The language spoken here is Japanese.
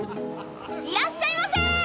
いらっしゃいませ！